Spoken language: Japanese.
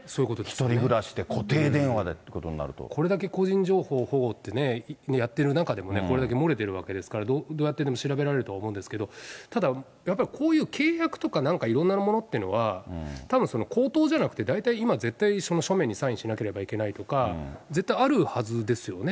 １人暮らしで固定電話ってここれだけ個人情報保護ってね、やってる中でもね、これだけ漏れてるわけですから、どうやってでも調べられるとは思うんですけど、ただ、やっぱりこういう契約とかなんかいろんなものっていうのは、たぶん口頭じゃなくて、今、絶対書面にサインしなければいけないとか、絶対あるはずですよね。